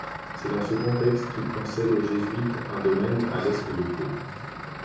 C'est dans ce contexte qu'il concède aux jésuites un domaine à l'est de Pau.